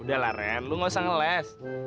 udah lah ren lo nggak usah ngeles